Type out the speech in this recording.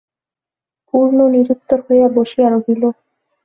পূর্ণ নিরুত্তর হইয়া বসিয়া রহিল।